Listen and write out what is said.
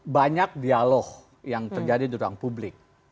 banyak dialog yang terjadi di ruang publik